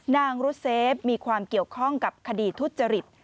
รุดเซฟมีความเกี่ยวข้องกับคดีทุจริต